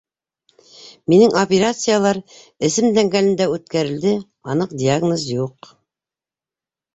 Минең операциялар эсем тәңгәлендә үткәрелде, аныҡ диагноз юҡ.